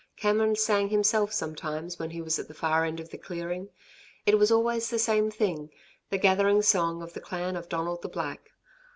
Cameron sang himself sometimes when he was at the far end of the clearing. It was always the same thing the gathering song of the Clan of Donald the Black.